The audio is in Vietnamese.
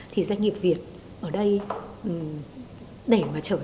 thì doanh nghiệp việt ở đây để mà trở thành nhà cung ứng trong chuỗi cung ứng toàn cầu